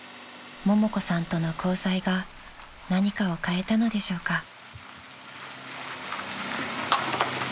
［ももこさんとの交際が何かを変えたのでしょうか］